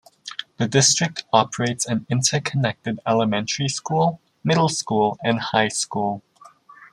The district operates an interconnected elementary school, middle school, and high school.